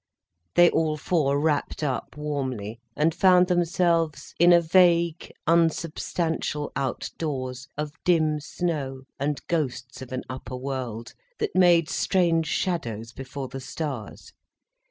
They all four wrapped up warmly, and found themselves in a vague, unsubstantial outdoors of dim snow and ghosts of an upper world, that made strange shadows before the stars.